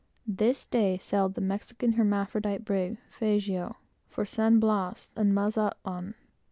This day, sailed the Mexican hermaphrodite brig, Fazio, for San Blas and Mazatlan.